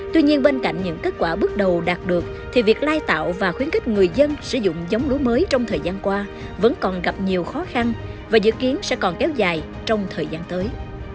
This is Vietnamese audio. tuy nhiên bên cạnh những kết quả bước đầu đạt được thì việc lai tạo và khuyến khích người dân sử dụng giống lúa mới trong thời gian qua vẫn còn gặp nhiều khó khăn và dự kiến sẽ còn kéo dài trong thời gian tới